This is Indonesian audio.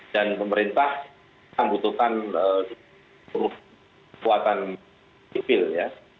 dan pemerintah membutuhkan perbuatan sipil ya